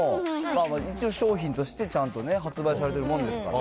一応商品として、ちゃんとね、発売されてるもんですから。